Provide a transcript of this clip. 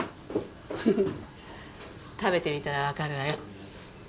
フフッ食べてみたらわかるわよ。